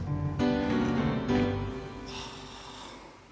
はあ。